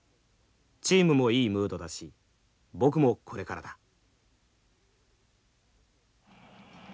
チームもいいムードだし僕もこれからだ」。